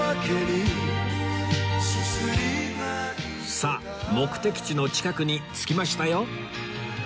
さあ目的地の近くに着きましたよ